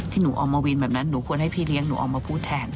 หนูออกมาวินแบบนั้นหนูควรให้พี่เลี้ยงหนูออกมาพูดแทน